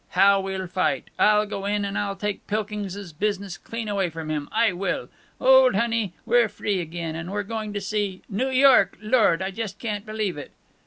how we'll fight! I'll go in and I'll take Pilkings's business clean away from him, I will! Old honey, we're free again! And we're going to see New York! Lord! I just can't believe it!"